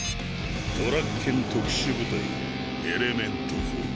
ドラッケン特殊部隊エレメント４。